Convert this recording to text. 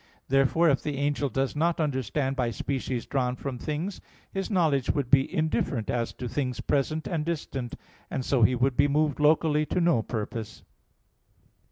Therefore, if the angel does not understand by species drawn from things, his knowledge would be indifferent as to things present and distant; and so he would be moved locally to no purpose.